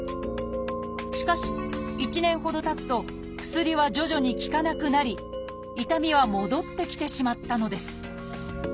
しかし１年ほどたつと薬は徐々に効かなくなり痛みは戻ってきてしまったのです。